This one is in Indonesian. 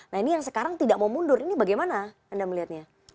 nah ini yang sekarang tidak mau mundur ini bagaimana anda melihatnya